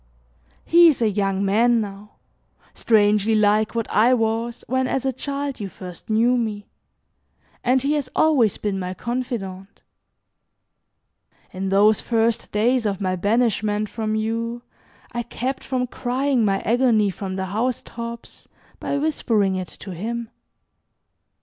He is a young man now, strangely like what I was, when as a child, you first knew me, and he has always been my confidant. In those first days of my banishment from you I kept from crying my agony from the housetops by whispering it to him.